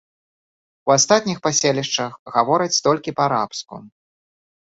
У астатніх паселішчах гавораць толькі па-арабску.